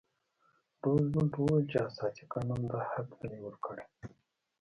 روزولټ وویل چې اساسي قانون دا حق نه دی ورکړی.